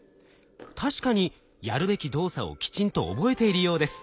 確かにやるべき動作をきちんと覚えているようです。